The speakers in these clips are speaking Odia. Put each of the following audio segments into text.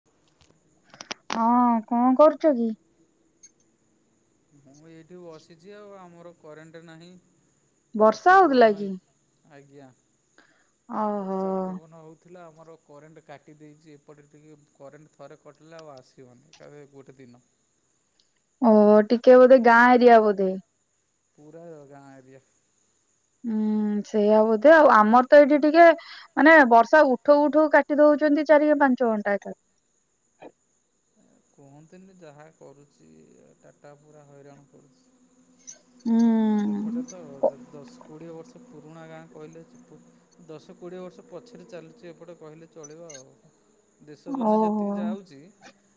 [inaudible] ହଁ କଣ କରୁଚ କି? ମୁଁ ଏଇଠି ବସିଚି ଆଉ ଆମର କରେଣ୍ଟ୍ ନାହିଁ। ବର୍ଷା ହୋଉଥିଲା ପବନ କି? ଏ ଆଜ୍ଞା ମୋର ଓହୋ ତ ପବନ ହୋଉଥିଲା ଆମର କରେଣ୍ଟ କାଟି ଦେଇଛି ଏପଟେ ଟିକେ କରେଣ୍ଟ ଥରେ କାଟିଲେ ଆଉ ଆସିବନି। ଏବେ ଗୋଟେ ଦିନ ଓ ଟିକେ ବୋଧେ ଗାଁ ଏରିଆ ବୋଧେ? ପୁରା ଗାଁ ଏରିଆ। ହୁଁ ସେଇଆ ବୋଧେ ଆଉ ଆମର ତ ଏଇଠି ଟିକେ ମାନେ ବର୍ଷା ଉଠଉ ଉଠଉ କାଟି ଦୋଉଛନ୍ତି ଚାରି ପାଞ୍ଚ ଘଣ୍ଟା ଏଥର। କୁହନ୍ତୁନି ଯାହା କରୁଚି ଟାଟା ପୁରା ହଇରାଣ କରୁଚି। ହୁଁ। ଏପଟେ ତ ଦଶ କୋଡ଼ିଏ ବର୍ଷ ପୁରୁଣା ଗାଁ କହିଲେ ସେତ ଦଶ କୋଡିଏ ବର୍ଷ ପଛରେ ଚାଲିଛି ଏପଟେ କହିଲେ ଚଳିବ ଆଉ। ଦେଶ ବନେ ଯେତିକି ଓହୋ ଯାଉଛି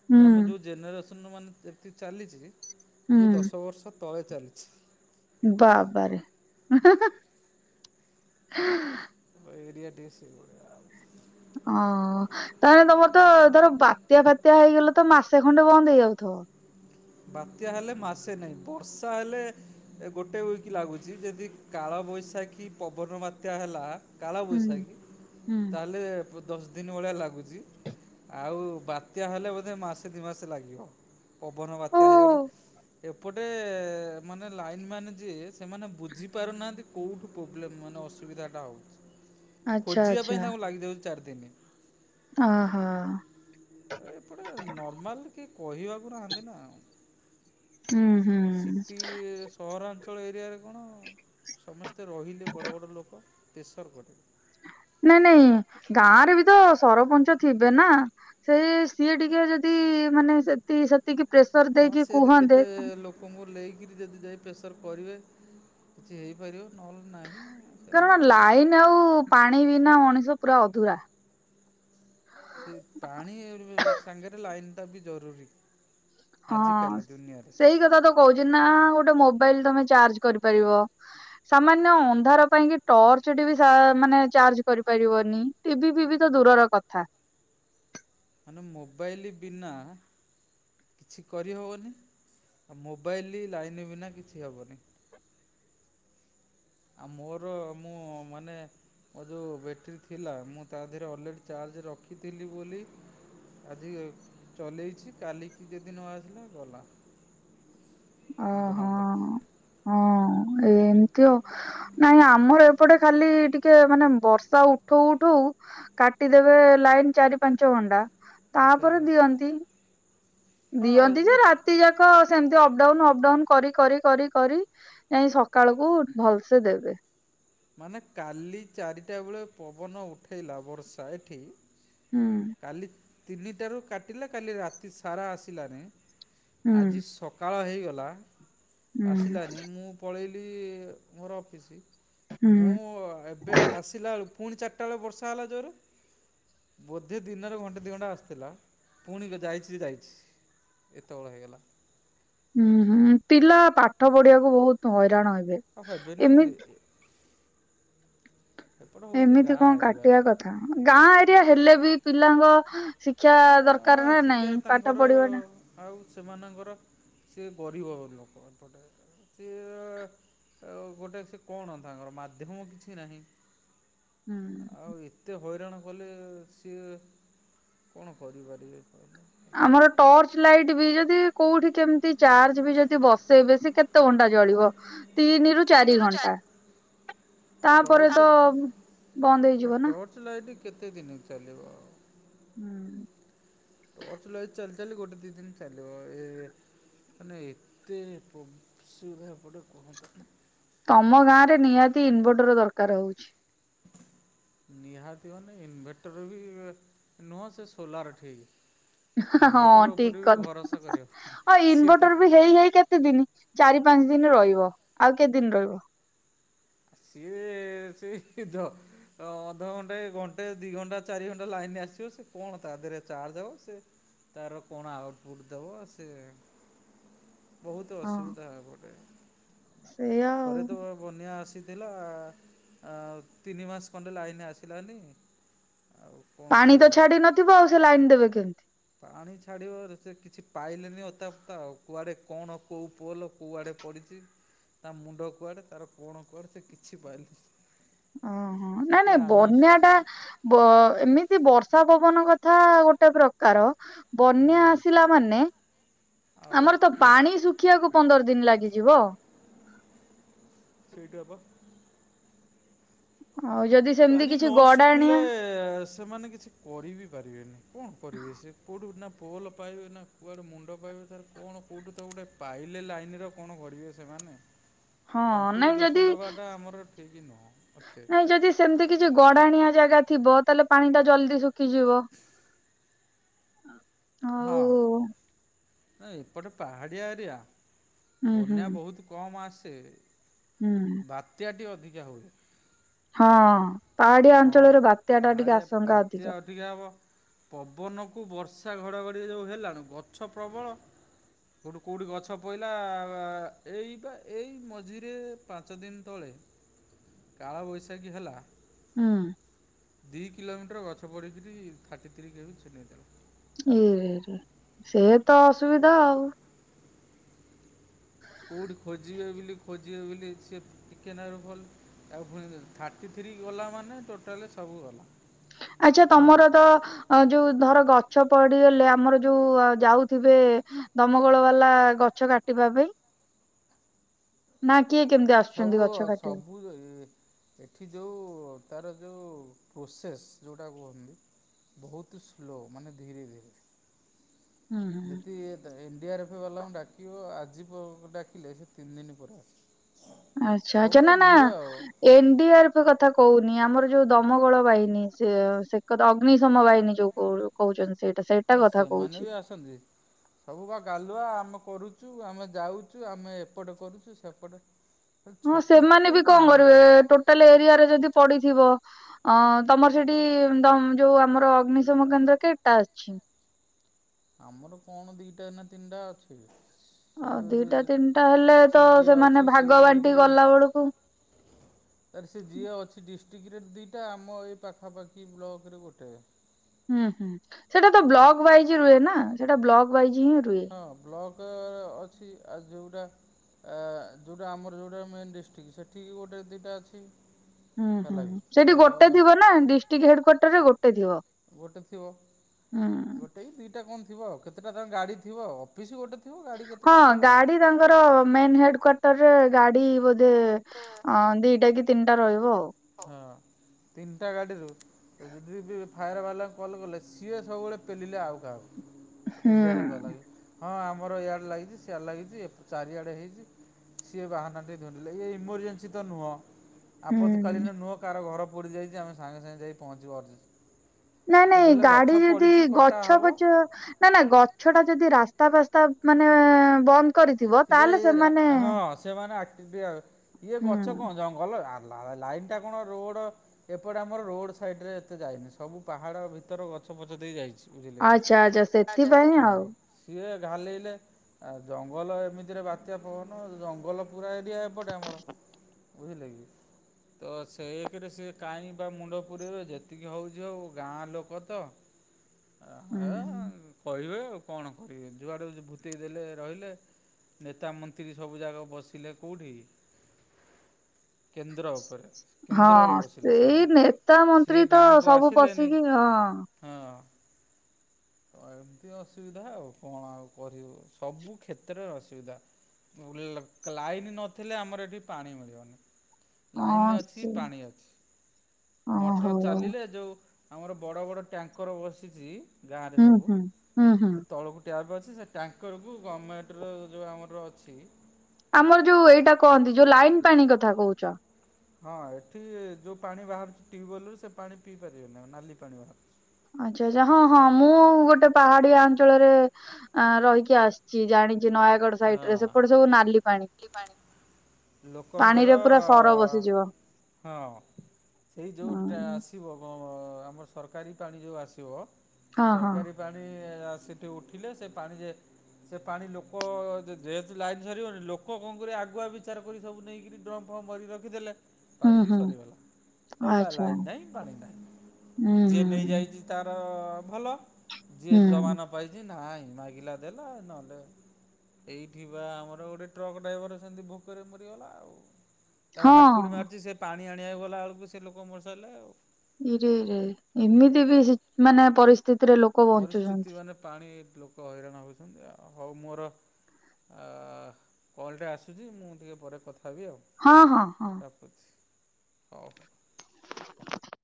ହୁଁ ମାନେ ଆମ ଯେଉଁ ଜେନେରେସନ୍ ମାନେ ଏମିତି ଚାଲିଛି ଇଏ ହୁଁ ଦଶ ବର୍ଷ ତଳେ ଚାଲିଛି। ବାବା ରେ। ଏ ଏରିଆ ସେଇ ଭଳିଆ ଆଉ ଅ। ତାଲେ ତମର ତ ଧର ବାତ୍ୟା ଫାତ୍ୟାଆ ହେଇଗଲା ତ ମାସେ ଖଣ୍ଡେ ବନ୍ଦ ହେଇଯାଉଥିବ? ବାତ୍ୟା ହେଲେ ମାସେ ନାହିଁ ବର୍ଷା ହେଲେ ଏ ଗୋଟେ ଉୟିକ୍ ଲାଗୁଛି ଯଦି କାଳବୈଶାଖୀ ପବନ ମାତ୍ୟା ହେଲା। ହୁଁ କାଳବୈଶାଖୀ ହୁଁ ତାହେଲେ ଦଶ ଦିନ ଭଳିଆ ଲାଗୁଛି। ଆଉ ବାତ୍ୟା ହେଲେ ବୋଧେ ମାସେ ଦି ମାସେ ଲାଗିବ ପବନ ଓ ତ୍ୟା ହେଇଗଲେ ଏପଟେ ମାନେ ଲାଇନ୍‌ ମ୍ୟାନ୍ ଯିଏ ସେମାନେ ବୁଝି ପାରୁନାହାନ୍ତି କେଉଁଠୁ ପ୍ରୋବ୍ଲେମ୍ ମାନେ ଅସୁବିଧାଟା ହୋଉଚି ଆଚ୍ଛା ଖୋଜିବା ପାଇଁ ତାଙ୍କୁ ଲାଗିଯାଉଛି ଚାରିଦିନି। ଅହ। ଏପଟେ ନର୍ମାଲ କିଏ କହିବାକୁ ନାହାନ୍ତି ନା ଆଉ। ହୁଁ। ହୁଁ। ସିଟି ସହରାଞ୍ଚଳ ଏରିଆରେ କଣ ସମସ୍ତେ ରହିଲେ ବଡ଼ ବଡ଼ ଲୋକ ପ୍ରେସର କଟେ। ନାଇଁ ନାଇଁ ଗାଁ ରେ ବି ତ ସରପଞ୍ଚ ଥିବେ ନା? ସେ ସିଏ ଟିକେ ଯଦି ମାନେ ସେ ସେତିକି ପ୍ରେସର ଦେଇକି କୁହନ୍ତେ। କୋ ମୋର ଲେଇକରି ଯଦି ଯାଇ ପ୍ରେସର୍ କରିବେ କିଛି ହେଇପାରିବ ନହେଲେ ନାହିଁ। କାରଣ ସେମିତି ଲାଇନ୍‌ ଆଉ ପାଣି ବିନା ମଣିଷ ପୁରା ଅଧୁରା। ସେ ପାଣି ସାଙ୍ଗରେ ଲାଇନ୍ ଟା ବି ଜରୁରୀ। ହଁ ଆଜିକାଲି ଦୁନିଆରେ ସେଇ କଥା ତ କହୁଛି ନା ଗୋଟେ ମୋବାଇଲ୍ ତମେ ଚାର୍ଜ କରିପାରିବ। ସାମାନ୍ୟ ଅନ୍ଧାର ପାଇଁ କି ଟର୍ଚ୍ଚ ଟି ବି ମାନେ ଚାର୍ଜ କରିପାରିବନି। ଟିଭିି ଫିଭିି ତ ଦୂରର କଥା। ମାନେ ମୋବାଇଲ୍ ବିନା କିଛି କରିହବନି। ତ ମୋବାଇଲ୍ ଲାଇନ୍‌ ବିନା କିଛି ହବନି। ଆଉ ମୋର ମୁଁ ମାନେ ମୋ ଯୋଉ ଟେଟିରୀ ଥିଲା ମୁଁ ତା ଦେହରେ ଅଲରେଡ଼ି ଚାର୍ଜ ରଖିଥିଲି ବୋଲି ଆଜି ଚଲେଇଛି କାଲିକି ଯଦି ନ ଆସିଲା ଗଲା। ଅହ ବନ୍ଦ। ହଁ ଏମ୍ ତି ଆଉ ନାଇଁ ଆମର ଏପଟେ ଖାଲି ଟି ଟିକେ ମାନେ ବର୍ଷା ଉଠଉ ଉଠଉ କାଟିଦେବେ ଲାଇନ ଚାରି ପାଞ୍ଚ ଘଣ୍ଡା ଆଚ୍ଛା ତାପରେ ଆଚ୍ଛା ଦିଅନ୍ତି। ହଁ ଦିଅନ୍ତି ଯେ ଇଏ ରାତି ଯାକ ସେମତି ଅପଡାଉନ ଅପଡାଉନ କରି କରି କରି କରି ନାଇଁ ସକାଳ କୁ ଭଲସେ ଦେବେ। ମାନେ କାଲି ଚାରିଟା ବେଳେ ପବନ ଉଠେଇଲା ବର୍ଷା ଏଠି ହୁଁ କାଲି ତିନିଟାରୁ କାଟିଲା କାଲି ରାତି ସାରା ଆସିଲାନେଇଁ ହୁଁ ଆଜି ସକାଳ ହେଇଗଲା ହୁଁ ଆସିଲାନି ମୁଁ ପଳେଇଲି ମୋର ଅପିସି ହୁଁ ମୁଁ ଏବେ ଆସିଲା ବେଳୁ ପୁଣି ଚାରିଟା ବେଳେ ବର୍ଷା ହେଲା ଜୋରେ। ବୋଧେ ଦିନରେ ଘଣ୍ଟେ ଦିଘଣ୍ଟା ଆସିଥିଲା ପୁଣି [unintelligible] ଯାଇଚି ଯେ ଯାଇଚି। ଏତେ ବଳ ହେଇଗଲା। ହୁଁ ହୁଁ ପିଲା ପାଠ ପଢିବାକୁ ବହୁତ ହଇରାଣ ହେବେ। ଆଉ ହେବେନି ଏମିତି [unintelligible] ଏପଟ ହେଉଛି ଏମିତି କଣ ଗାଁ ଏରିଆ କାଟିବା କଥା ଗାଁ ଏରିଆ ହେଲେ ବି ପିଲାଙ୍କ ଶିକ୍ଷା ଦରକାର ନା ଶିକ୍ଷା ନାଇଁ ପାଠ ତାଙ୍କର ପଢିବା ଟା। ଆଉ ସେମାନଙ୍କର ସିଏ ଗରିବ ଲୋକ ଏପଟେ ସିଏ ଆଉ ଗୋଟେ ସେ କଣ ତାଙ୍କର ମାଧ୍ୟମ କିଛି ନାହିଁ। ହୁଁ ଆଉ ଏତେ ହଇରାଣ କଲେ ସିଏ କଣ କରିପାରିବେ କହିଲେ। ଆମର ଟରର୍ଚ ଲାଇଟ୍ ବି ଯଦି [unintelligible] କୋଉଠି କେମିତି ଚାର୍ଜେ ବି ଯଦି ବସେଇବେ ସେ କେତେ ଘଣ୍ଟା ଜଳିବ ତିନି ଚାରି ଘଣ୍ଟା ତାପରେ ତ ଟର୍ଚ୍ଚ ବନ୍ଦ ହଁ ହେଇଯିବ ନା। ଟର୍ଚ୍ଚ ଲାଇଟ୍ କେତେ ଦିନି ଚାଲିବ। ହୁଁ। ଟଚଲାଇଚ ଚାଲି ଚାଲି ଗୋଟେ ଦି ଦିନି ଚାଲିବ ଏ ମାନେ ଏତେ ପୋବ [unintelligible] ପଡ଼େ କୁହନ୍ତୁନି। ତମ ଗାଁ ରେ ନିହାତି ଇନଭର୍ଟର ଦରକାର ହଉଚି। ନିହାତି ମନେ ଇନଭେଟର ବି ନୁହଁ ସେ ସୋଲାର ଠିକ୍। ହଁ ଇନ୍ଭେଟର ଠିକ ଉପରେ ବି କଥା ଭରସା କରିବନି ହଁ ସିଏ ତ ଇନଭଟର ବି ହେଇ ହେଇ କେ କେତେ ଦିନି ଚାରି ପାଞ୍ଚ ଦିନି ରହିବ ଆଉ କେତେ ଦିନି ରହିବ। ସିଏ ସେଇ ଧ ଅ ଅଧଘଣ୍ଟେ ଘଣ୍ଟେ ଦି ଘଣ୍ଟା ଚାରି ଘଣ୍ଟା ଲାଇନି ଆସିବ ସେ କଣ ତା ଦେହରେ ଚାର୍ଜ ହବ ସେ ତାର କଣ ଆଉଟପୁଟ୍ ଦବ ସେ ବହୁତ ହଁ ଅସୁବିଧା ହପଟେ ସେଇଆ ଆଉ ଥରେ ତ ବନ୍ୟା ଆସି ଥିଲା ତିନି ମାସ ଖଣ୍ଡେ ଲାଇନ ଆସିଲାନି। ଆଉ କଣ ପାଣି ତ କହିବ? ଛାଡି ନଥିବ ଆଉ ସେ ଲାଇନ୍ ଦେବେ କେମିତି। ପାଣି ଛାଡ଼ିବାରୁ ସେ କିଛି ପାଇଲେନି ଅତାପତା ଆଉ କୁଆଡ଼େ କଣ କକଉ ପୋଲ କୁଆଡ଼େ ପଡ଼ିଚି ତା ମୁଣ୍ଡ କୁଆଡ଼େ ତାର କଣ କୁଆଡ଼େ ସେ କିଛି ପାଇଲେ ଓହୋ ନାଇ ନାଇଁ ବନ୍ୟା ଟା ବ ଏମିତି ବର୍ଷା ପବନ କଥା ଗୋଟେ ପ୍ରକାର। ବନ୍ୟା ହୁଁ ଆସିଲା ମାନେ ଆଉ ଆମର ତ ପାଣି ଶୁଖିବାକୁ ପନ୍ଦର ଦିନି ଲାଗିଯିବ। [unintelligible] ଆଉ ଯଦି ସେମିତି ପଣି କିଛି ନ ଶୁଖିଲେ ଗଡାଣିଆ ସେମାନେ କିଛି କରି ବି ପାରିବେନି କଣ କରିବେ ସେ କୋଉଠୁ ନା ପୋଲ ପାଇବେ ନା କୁଆଡୁ ମୁଣ୍ଡ ପାଇବେ ତାର କଣ କୋଉଠୁ ତ ଗୋଟେ ପାଇଲେ ଲାଇନିର କଣ ଘଡ଼ିବେ ସେମାନେ। ହଁ ତାଙ୍କୁ ବି ନାଇଁ ଦୋଷ ଯଦି ଦବାଟା ଆମର ଠିକ ନୁହଁ ଏତେ। ନାଇଁ ଯଦି ସେମିତି କିଛି ଗଡାଣିଆ ଜାଗା ଥିବ ତାହେଲେ ପାଣି ଟା ଜଲଦି ଶୁଖିଯିବ। ହ ହଁ। ହ ନା ଏପଟେ ପାହାଡ଼ିଆ ଏରିଆ ହୁଁ ହୁଁ ବନ୍ୟା ବହୁତ କମ୍ ଆସେ। ହୁଁ। ବାତ୍ୟାଟି ଅଧିକା ହୁଏ। ହଁ ପାହାଡିଆ ଅଞ୍ଚଳର ବାତ୍ୟା ଟା ଟିକେ ଆଶଙ୍କା ଅଧିକ। ଠିକା ହେବ ପବନକୁ ବର୍ଷା ଘଡ଼ଘଡ଼ି ଯେଉଁ ହେଲାଣି ଗଛ ପ୍ରବଳ। ସେଉଠୁ କେଉଁଠି ଗଛ ପଇଲା ଏଇ ବା ଏଇ ମଝିରେ ପାଞ୍ଚ ଦିନ ତଳେ କାଳବୈଶାଖୀ ହେଲା। ହୁଁ। ଦୁଇ କିଲୋମିଟର ଗଛ ପଡ଼ିକିରି ଥାର୍ଟି ଥ୍ରୀ କେ ବି ଛିନେଇଦେଲା। ଏଇ ସେ ତ ଅସୁବିଧା ଆଉ। [unintelligible] କଉଠି ଖୋଜିବେ ବୋଲି ଖୋଜିବେ ବୋଲି ସିଏ ଟିକେ ନାଁ ର ଭଲ ଆଉଣି ଥାର୍ଟି ଥ୍ରୀ ଗଲା ମାନେ ଟୋଟାଲ ସବୁ ଗଲା। ଆଚ୍ଛା ହଁ ତମର ତ ଯୋଉ ଧର ଗଛ ପଡିଗଲେ ଆମର ଯୋଉ ଯାଉଥିବେ ଦମକୋଳ ବାଲା ଗଛ କାଟିବା ପାଇଁ। ନା କିଏ କେମିତି ଆସୁଛନ୍ତି ସବୁ ଗଛ କାଟିବା ସବୁ ଏଠି ଯେଉଁ ତାର ଯେଉଁ ପ୍ରୋସେସ୍ ଯେଉଁଟା କୁହନ୍ତି। ବହୁତ ସ୍ଲୋ ମାନେ ଧୀରେ ଧୀରେ। ହୁଁ ହୁଁ। ଯଦି ଏନ୍ଡିଆର୍ଏଫ୍ ବାଲାଙ୍କୁ ଡାକିବ ଆଜି ଡାକିଲେ ସେ ତିନି ଦିନ ପରେ ଆସିବ। ଆଚ୍ଛା ସବୁ ଆଛା ନା ତ ନା ଧୀର ଆଉ ଏନ୍ ଡିଆର୍ ଏଫ କଥା କହୁନି ଆମର ଯୋଉ ଦମଗୋଳ ବାହିନୀ ସେ ସେ ଅଗ୍ନିଶମ ବାହିନୀ। ଯୋଉ କ କହୁଛନ୍ତି ସେଇଟା ସେଇଟା କଥା କହୁଛି। ଅଛନ୍ତି। ସବୁ କ ଗାଲୁଆ ଆମେ କରୁଛୁ ଆମେ ଯାଉଛୁ ଆମେ ଏପଟେ କରୁଛୁ ସେପଟେ ହଁ ଛକିଲେ ସେମାନେ କେହି ବି କଣ କରିବେ ନାହାନ୍ତି ଟୋଟାଲ ଏରିଆରେ ଯଦି ପଡିଥିବ। ଅ ତମର ସେଠି ଯୋଉ ଆମର ଅଗ୍ନିଶମ କେନ୍ଦ୍ର କେଟା ଅଛି? ଆମର କଣ ଦିଟା ନା ତିନିଟା ଅଛି। ସେ ଆଉ ଦିଟା ତିନିଟା ହେଲେ ତ ସେ ଯିଏ ସେମାନେ ଅଛି ସିଏ ଭାଗ ବାଣ୍ଟି ଯାଇକିରି ଗଲା ବେଳକୁ ଆରେ ସେ ଯିଅ ଅଛି ଡିଷ୍ଟ୍ରିକ୍ଟରେ ଦିଇଟା ଆମ ଏଇ ପାଖାପାଖି ବ୍ଲକରେ ଗୋଟେ। ହୁଁ ହୁଁ ସେଇଟା ତ ଆ ବ୍ଲକ ୱାଇଜ ରୁହେ ନା ସେଇଟା ବ୍ଲକ ୱାଇଜ ହିଁ ରୁହେ। ହଁ ବ୍ଲକ ଅଛି ଆ ଯୋଉଟା ଏ ଯେଉଁଟା ଆମର ଯେଉଁଟା ମେନ୍ ଡିଷ୍ଟ୍ରିକ୍ଟ ସେଠିକି ଗୋଟେ ଦିଇଟା ଅଛି। ହୁଁ ହୁଁ ହେଲା କି ତ ସେଠି ଗୋଟେ ଥିବ ନା ଡିଷ୍ଟ୍ରିକ୍ଟ ହେଡକ୍ୱାର୍ଟର ରେ ଗୋଟେ ଥିବ। ଗୋଟେ ଥିବ ହୁଁ ଗୋଟେ ଦୁଇଟା କଣ ଥିବ କେତେଟା ଟଙ୍କ ଗାଡ଼ି ଥିବ। ପିସ୍ ଗୋଟେ ଥିବ ଗାଡ଼ି ହଁ କେତୋଥିବ ଆଉ। ଗାଡି ତାଙ୍କର ମେ ହେଡ କାର୍ଟରରେ ଗାଡି ବୋଧେ ହୁଁ। ଅ ଦିଟା କି ତିନିଟା ରହିବ ଆଉ। ହଁ ତିନିଟା ଗାଡିରୁ ଯଦି ଫାୟାରବାଲାଙ୍କୁ କଲ୍ କଲେ ସିଏ ସବୁବେଳେ ପେଲିଲେ ଆଉ କାହାକୁ। ହୁଁ। ଇଣ୍ଡିଆରେ ଭଲ ଲାଗ ହଁ ଆମର ଇଆଡେ ଲାଗିଛି ସଆଡ ଲାଗିଛି ଚାରିଆଡେ ହେଇଛି। ସିଏ ବାହାନା ଟ ଧିଲ ଏ ଇମରଜେନ୍ସି ତ ନୁହଁ ଆପତ ହୁଁ ଆମ କାାର ଘର ପଡ଼ି ଯାଇଛି ଆମେ ସାଙ୍ଗେ ସାଙ୍ଗେ ଯାଇ ପହଞ୍ଚିବୁ ଓର ନାଇଁ ନାଇଁ ଗାଡି ଯଦି ପଡ଼ିଛି କଟା ଗଛ ହେବ ପଛ ନା ନା ଗଛ ଟା ଯଦି ରାସ୍ତା ପାସ୍ତା ମାନେ ବନ୍ଦ କରିଥିବ ତାହେଲେ ସେମାନେ ହଁ ସେମାନେ ଇଏ ଗଛ ହୁଁ। କଣ ଜଙ୍ଗ ଗଲ ଲାଇନ୍ ଟା କଣ ରୋଡ ଏପଟେ ଆମର ରୋଡ ସାଇଡ ରେ ଏତେ ଯାଇନି ସବୁ ପାହାଡ ଭିତରୁ ଗଛ ପଛ ଦେଇ ଯାଇଚି। ବୁଝିଲେ ଆଚ୍ଛା ଆଚ୍ଛା ସେଥିପାଇଁ ଆଉ। ହଁ। ସିଏ ଘାଲେଇଲେ ଆ ଜଙ୍ଗଲ ଏମିତିରେ ବାତ୍ୟା ପବନ ଜଙ୍ଗଲ ପୁରା ଏରିଆ। ପଟେ ଆମର ବୁଝିଲେ କିି? ତ ସେଇଏକେରେ ସେ କାଇଁ ବା ମୁଣ୍ଡ ପୁରେଇବେ ଯେତିକି ହେଉଚି ହଉ ଗାଁ ଲୋକ ତ। ଆହା ହୁଁ। କହିବେ ଆଉ କଣ କରିବେ ଯୁଆଡେ ଭୂତେଇକ ଦେଲେ ରହିଲେ ନେତା ମନ୍ତ୍ରୀ ସବୁ ଯାଗ ବସିଲେ କୋଉଠି। କେନ୍ଦ୍ର ଉପରେ। କେନ୍ଦ୍ରରେ ହଁ ବସିଲେ ସେଇ ସେମାନେ ନେତା ସିଏ ମନ୍ତ୍ରୀ ତ ଗାଁକୁ ସବୁ ଆସିଲେନି। ପଶିକି ହଁ ତ ଏମିତି ଅସୁବିଧା ଆଉ କଣ ଆଉ କରିବୁ? ସବୁ କ୍ଷେତ୍ରରେ ଅସୁବିଧା। ଲାଇନ୍ ନଥିଲେ ଆମର ଏଠି ପାଣି ମିଳିବନି। ଲାଇନ୍ ହଁ ଅଛି, ସେ ପାଣି ଅଛି, ମଟର ଓହୋ। ଚାଲିଲେ ଯୋଉ ଆମର ବଡ଼ ବଡ଼ ଟ୍ୟାଙ୍କର ବସିଚି ଗାଁରେ ହୁଁ ସବୁ ହୁଁ ହୁଁ ହୁଁ। ସେ ତଳକୁ ଟ୍ୟାପ୍ ଅଛି ସେ ଟ୍ୟାଙ୍କରକୁ ଗମେଣ୍ଟର ଯେଉ ଆମର ଅଛି। ଆମର ଯୋଉ ଏଇଟା କହନ୍ତି ଯୋଉ ଲାଇନ ପାଣି କଥା କହୁଚ। ହଁ ଏଠି ଯୋଉ ପାଣି ବାହାରୁଚି ଟ୍ୟୁବୱେଲରୁ ସେ ପାଣି ପିଇ ପାରିବନି ଆଉ ନାଲି ପାଣି ଗୁରା। ଆଚ୍ଛା ଆଚ୍ଛା ହଁ ହଁ ମୁଁ ଗୋଟେ ପାହାଡିଆ ଅଞ୍ଚଳରେ ଆ ରହିକି ଆସିଚି ଜାଣିଚି ନୟାଗଡ ସାଇଡରେ ସେପଟେ ହଁ। ସବୁ ନାଲି ପାଣି। ଲୋକଙ୍କର। ପାଣିରେ ପୁରା ସର ବସିଯିବ ହଁ ସେଇ ଯୋଉଟା ହୁଁ ଆସିବ ଗ ଆମ ସରକାରୀ ପାଣି ଯୋଉଟା ହଁ ହଁ ଆସିବସରକାରୀ ପାଣି ସେଠି ଉଠିଲେ ସେ ପାଣି ଯେ ସେ ପାଣି ଲୋକ ଯେ ଯେହେତୁ ଲାଇନ ସରିବନି ଲୋକ ଲୋକ କଣ କରିବେ ଆଗୁଆ ବିଚାର କରି ସବୁ ନେଇକିରି ଡ୍ରମ୍ଫ ଫ୍ରମ୍ ଭରି ରଖିଦେଲେ। ହୁଁ ପାଣିବି ହୁଁ ସରିଗଲା, ସରିଲା ଆଚ୍ଛା। ଲାଇନ ନାହିଁ ପାଣି ନାହିଁ ହୁଁ ଯିଏ ହୁଁ ନେଇଯାଇଚି ତାର ଭଲ ଯିଏ ହୁଁ ଜମାନ ପାଇଚି। ନାଇଁ ମାଗିଲା ଦେଲା ନହେଲେ ଏଇଠି ବା ଆମର ଗୋଟେ ଟ୍ରକ୍ ଡ୍ରାଇଭର ସେମତି ଭୋକରେ ମରିଗଲା ଆଉ ତା ହଁ ହାକୁଡି ମାରିଚି ସେ ପାଣି ଆଣିବାକୁ ଗଲା ବେଳକୁ ସେ ଲୋକ ମରିଶାଇଲାନି ଆଉ-। ଇରେ ଇରେ ଏମିତି ବି ସେ ମାନେ ପରିସ୍ଥିତିରେ ଲୋକ୍ ପରିସ୍ଥିତି ମାନେ ପାଣି ଲୋକ ହଇରାଣ ହେଉଛନ୍ତି ହଉ ମୋର ଆ କଲଟା ଆସୁଚି ମୁଁ ଟିକିଏ ପରେ କଥା ହେବି ଆଉ। ହଁ ହଁ ହଁ। ରଖୁଛି ହଉ ହଉ।